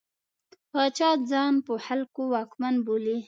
پاچا ځان په خلکو واکمن بولي.